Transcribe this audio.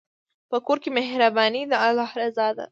په کور کې مهرباني د الله رضا ده.